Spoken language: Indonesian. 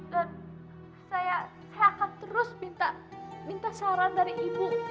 dan saya akan terus minta saran dari ibu